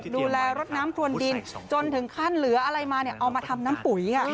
รถน้ำพรวนดินจนถึงขั้นเหลืออะไรมาเอามาทำน้ำปุ๋ย